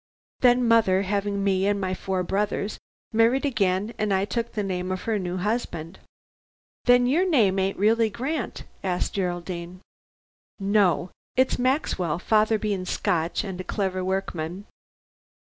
Then mother, having me and my four brothers, married again, and I took the name of her new husband." "Then your name ain't really Grant?" asked Geraldine. "No! It's Maxwell, father being Scotch and a clever workman.